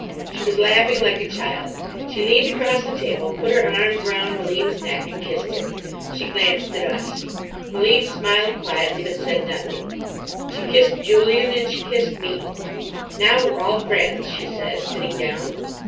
She was laughing like a child. She leaned across the table, put her arms round Malim's neck, and kissed him. She glanced at us. Malim smiled quietly, but said nothing. She kissed Julian, and she kissed me. "Now we're all friends," she said, sitting down.